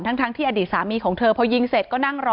ทั้งที่อดีตสามีของเธอพอยิงเสร็จก็นั่งรอ